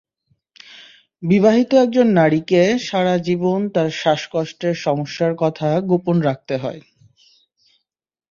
বিবাহিত একজন নারীকে সারা জীবন তাঁর শ্বাসকষ্টের সমস্যার কথা গোপন রাখতে হয়।